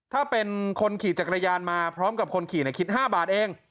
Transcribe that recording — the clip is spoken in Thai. ถ้าเป็นคนขี่จักรยานมาพร้อมกับคนขี่คิด๕บาทเอง